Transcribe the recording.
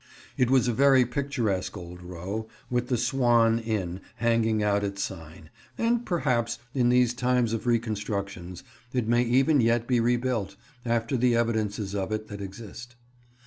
It was a very picturesque old row, with the "Swan" inn hanging out its sign; and perhaps, in these times of reconstructions, it may even yet be rebuilt, after the evidences of it that exist.